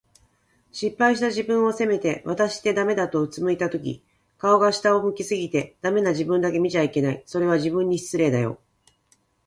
失敗した自分を責めて、「わたしってダメだ」と俯いたとき、顔が下を向き過ぎて、“ダメ”な自分だけ見ちゃいけない。それは、自分に失礼だよ。